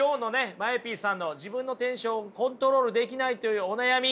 ＭＡＥＰさんの自分のテンションをコントロールできないというお悩み